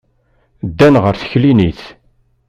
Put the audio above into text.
Ddan ɣer teklinit.